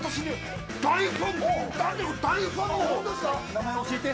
名前教えて。